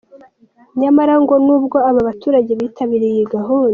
Nyamara ngo nubwo aba baturage bitabiriye iyi gahunda.